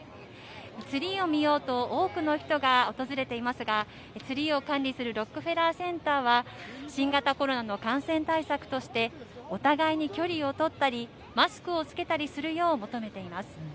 ツリーを見ようと、多くの人が訪れていますが、ツリーを管理するロックフェラーセンターは、新型コロナの感染対策として、お互いに距離を取ったり、マスクを着けたりするよう求めています。